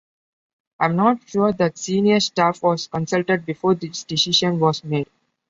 I'm not sure that senior staff was consulted before this decision was made.